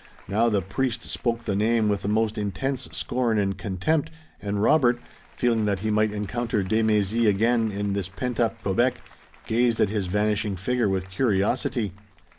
Now the priest spoke the name with the most intense scorn and contempt, and Robert, feeling that he might encounter de Mézy again in this pent up Quebec, gazed at his vanishing figure with curiosity.